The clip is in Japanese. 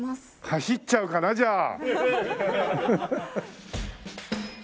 走っちゃうかなじゃあ。